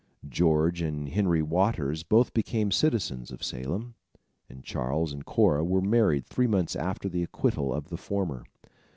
George and Henry Waters both became citizens of Salem, and Charles and Cora were married three months after the acquittal of the former.